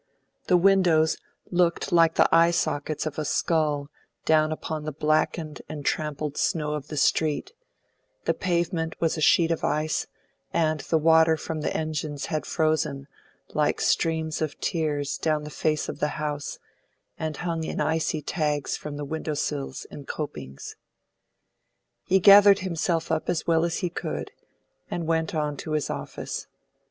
The windows looked like the eye sockets of a skull down upon the blackened and trampled snow of the street; the pavement was a sheet of ice, and the water from the engines had frozen, like streams of tears, down the face of the house, and hung in icy tags from the window sills and copings. He gathered himself up as well as he could, and went on to his office.